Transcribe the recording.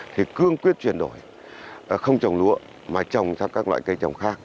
thì cương quyết chuyển đổi không trồng lúa mà trồng sang các loại cây trồng khác